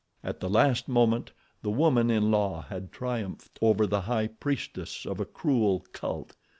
At the last moment the woman in La had triumphed over the High Priestess of a cruel cult.